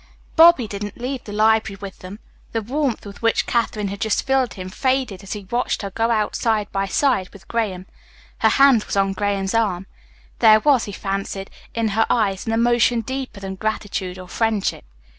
Bobby didn't leave the library with them. The warmth with which Katherine had just filled him faded as he watched her go out side by side with Graham. Her hand was on Graham's arm. There was, he fancied, in her eyes an emotion deeper than gratitude or friendship.